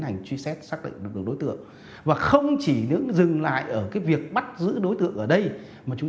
hành truy xét xác định được đối tượng và không chỉ những dừng lại ở cái việc bắt giữ đối tượng ở đây mà chúng